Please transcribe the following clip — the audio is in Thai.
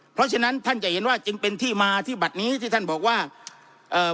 เพราะฉะนั้นท่านจะเห็นว่าจึงเป็นที่มาที่บัตรนี้ที่ท่านบอกว่าเอ่อ